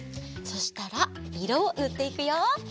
そしたらいろをぬっていくよ。